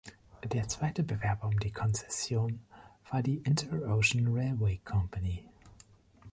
Der zweite Bewerber um die Konzession war die "Inter-Ocean Railway Company".